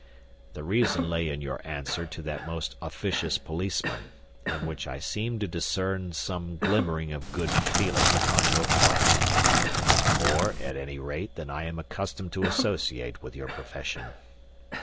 The reason lay in your answer to that most officious policeman, in which I seemed to discern some glimmering of good feeling upon your part more, at any rate, than I am accustomed to associate with your profession.